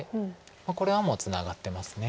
これはもうツナがってます。